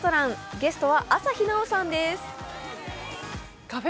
ゲストは朝日奈央さんです。